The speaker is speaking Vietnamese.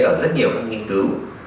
ở rất nhiều các nghiên cứu